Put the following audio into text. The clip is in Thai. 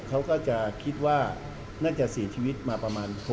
เขาก็จะคิดว่าน่าจะเสียชีวิตมาประมาณ